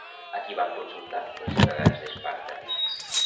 A qui van consultar els ciutadans d'Esparta?